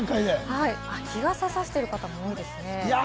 日傘をさしている方も多いですね。